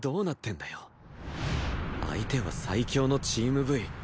相手は最強のチーム Ｖ